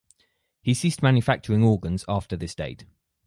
He ceased manufacturing organs after this date.